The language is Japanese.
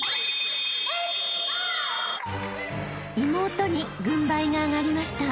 ［妹に軍配が上がりました］